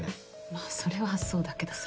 まあそれはそうだけどさ。